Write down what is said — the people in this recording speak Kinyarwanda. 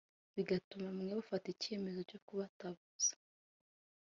bigatuma bamwe bafata icyemezo cyo kutaboza